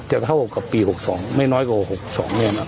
เท่ากับปี๖๒ไม่น้อยกว่า๖๒แน่นอน